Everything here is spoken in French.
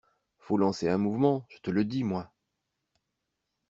Faut lancer un mouvement, je te le dis, moi…